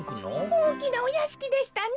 おおきなおやしきでしたね。